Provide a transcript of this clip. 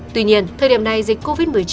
tuy nhiên thời điểm này dịch covid một mươi chín